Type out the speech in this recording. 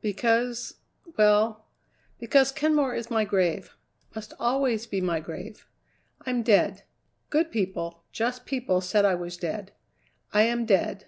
"Because well, because Kenmore is my grave must always be my grave. I'm dead. Good people, just people said I was dead. I am dead.